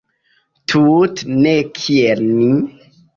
Tute ne kiel ni!